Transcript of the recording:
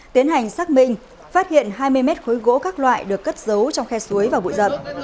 tiến hành xác minh phát hiện hai mươi mét khối gỗ các loại được cất giấu trong khe suối vào buổi giận